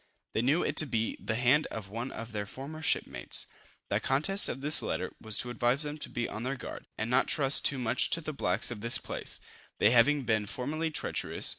They knew it to be the hand of one of their former shipmates. The contents of this letter was to advise them to be on their guard, and not trust too much to the blacks of this place, they having been formerly treacherous.